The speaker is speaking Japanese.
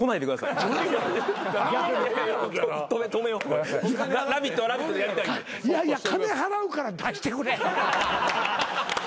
いやいや金払うから出してくれ！